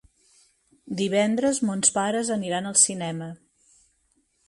Divendres mons pares aniran al cinema.